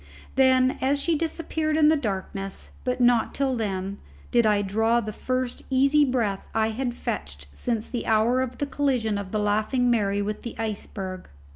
Then, as she disappeared in the darkness, but not till then, did I draw the first easy breath I had fetched since the hour of the collision of the Laughing Mary with the iceberg.